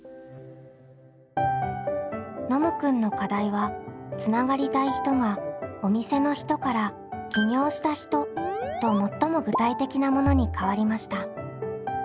ノムくんの課題はつながりたい人が「お店の人」から「起業した人」と最も具体的なものに変わりました。